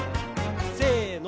せの。